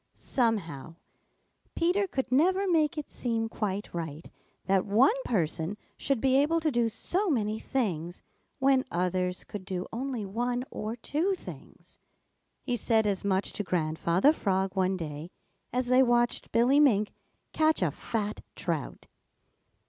Somehow Peter could never make it seem quite right that one person should be able to do so many things when others could do only one or two things. He said as much to Grandfather Frog one day, as they watched Billy Mink catch a fat trout.